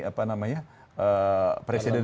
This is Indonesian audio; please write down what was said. apa namanya presiden